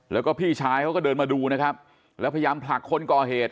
แล้วก็พี่ชายเขาก็เดินมาดูนะครับแล้วพยายามผลักคนก่อเหตุ